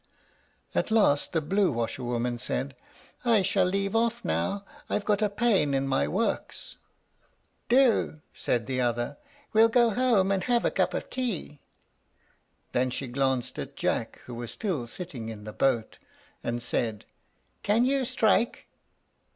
At last the blue washer woman said, "I shall leave off now; I've got a pain in my works." "Do," said the other. "We'll go home and have a cup of tea." Then she glanced at Jack, who was still sitting in the boat, and said, "Can you strike?"